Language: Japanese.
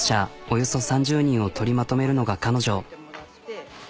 およそ３０人を取りまとめるのが彼女。